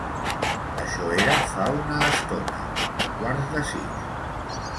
Això era fa una estona, a quarts de sis.